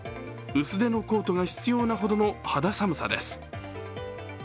薄手のコートが必要なほどの肌寒さです。